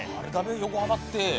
横浜って。